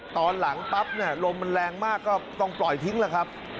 ตอนหลังปั๊บเนี่ยลมมันแรงมากก็ต้องปล่อยทิ้งแหละครับ